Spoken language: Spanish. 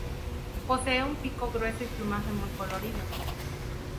Posee un pico grueso y plumaje muy colorido.